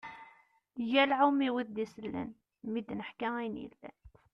Galɛum i wid d-isellen, mi d-neḥka ayen yellan.